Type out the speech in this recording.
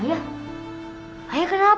ayah ayah kenapa